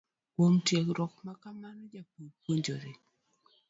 Kuom tiegruok ma kamano, jopur puonjore